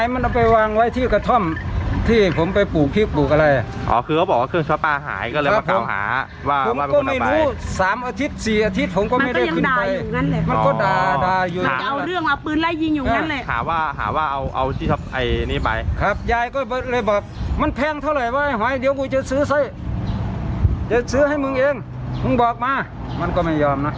มันก็ไม่ยอมนะ